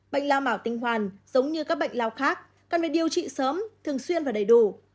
bệnh lao bảo tinh hoàn giống như các bệnh lao khác cần phải điều trị sớm thường xuyên và đầy đủ